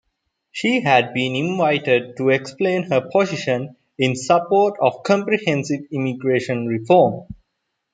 She had been invited to explain her position in support of comprehensive immigration reform.